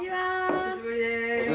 お久しぶりです。